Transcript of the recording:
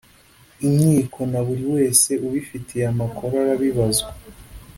inkiko na buri wese ubifitiye amakuru arabibazwa